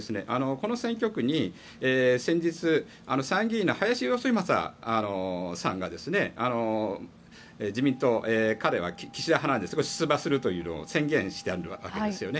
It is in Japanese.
この選挙区に先日、参議院の林芳正さんが自民党、彼は岸田派なので出馬するというのを宣言したわけですよね。